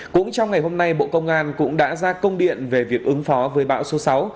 cũng trong ngày hôm nay bộ công an cũng đã ra công điện về việc ứng phó với bão số sáu